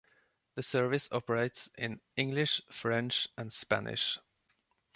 The service operates in English, French and Spanish.